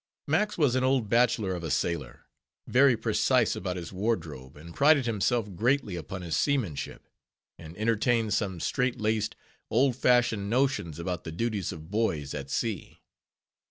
Max was an old bachelor of a sailor, very precise about his wardrobe, and prided himself greatly upon his seamanship, and entertained some straight laced, old fashioned notions about the duties of boys at sea.